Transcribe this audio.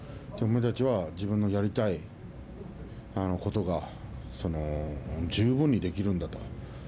お前たちは自分のやりたいことが十分にできるんだと。